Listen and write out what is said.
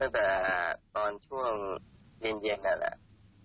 ตั้งแต่ตอนช่วงเย็นนั่นแหละ